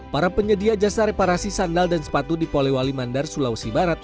para penyedia jasa reparasi sandal dan sepatu di polewali mandar sulawesi barat